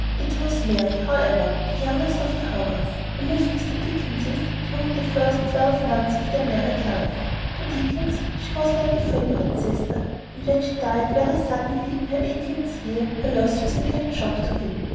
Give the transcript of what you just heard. It was Mary, however, the youngest of the Hogarths, who lived with the Dickenses during the first twelvemonth of their married life. To Dickens she was like a favorite sister, and when she died very suddenly, in her eighteenth year, her loss was a great shock to him.